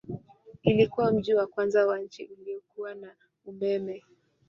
Ilikuwa mji wa kwanza wa nchi uliokuwa na umeme.